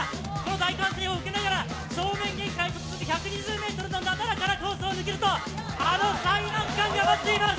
大歓声を受けながら正面玄関へと続く１２０ｍのなだらかなコースを抜けるとあの最難関が待っています。